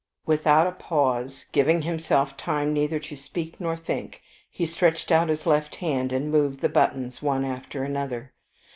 Without a pause, giving himself time neither to speak nor think, he stretched out his left hand and moved the buttons one after another.